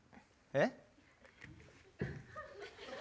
えっ？